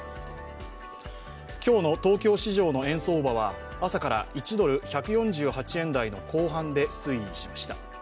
今日の東京市場の円相場は朝から１ドル＝１４８円台の後半で推移しました。